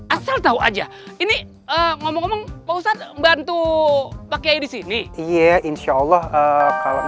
asal tau aja ini ngomong ngomong pak ustadz membantu pakai disini iya ya insya allah kalau